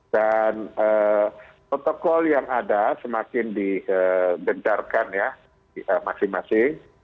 dan protokol yang ada semakin digencarkan ya masing masing